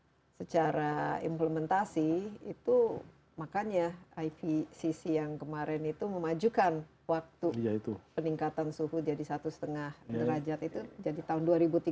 dan secara implementasi itu makanya ipcc yang kemarin itu memajukan waktu peningkatan suhu jadi satu lima derajat itu jadi tahun dua ribu tiga puluh dua